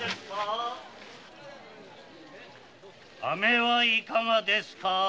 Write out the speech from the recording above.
飴はいかがですか。